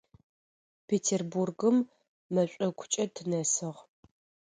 Петербургым мэшӏокукӏэ тынэсыгъ.